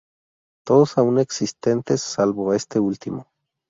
Todos aún existentes salvo este último.